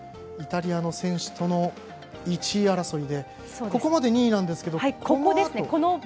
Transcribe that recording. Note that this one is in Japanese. イタリアの選手との１位争いでここまで２位なんですが。